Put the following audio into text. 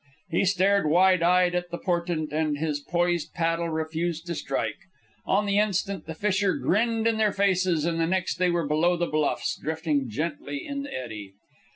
He stared, wide eyed, at the portent, and his poised paddle refused to strike. On the instant the fissure grinned in their faces, and the next they were below the bluffs, drifting gently in the eddy.